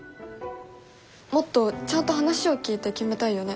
もっとちゃんと話を聞いて決めたいよね。